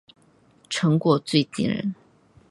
成果最惊人